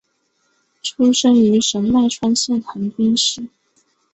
出生于神奈川县横滨市。